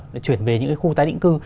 để chuyển về những cái khu tái định cư